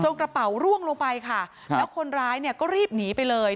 กระเป๋าร่วงลงไปค่ะแล้วคนร้ายเนี่ยก็รีบหนีไปเลย